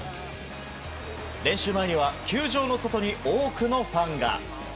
練習前には球場の外に多くのファンが。